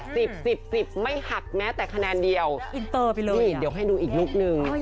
สิบสิบสิบไม่หักแม้แต่คะแนนเดียวอินเตอร์ไปเลยนี่เดี๋ยวให้ดูอีกลุคนึง